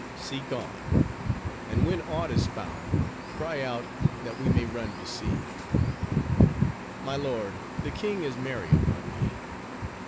"Seek on; and when aught is found, cry out, that we may run to see." "My lord the king is merry upon me.